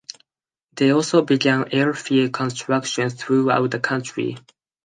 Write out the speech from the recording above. They also began airfield construction throughout the country.